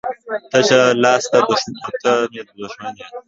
تشه لاسه ته مې دښمن یې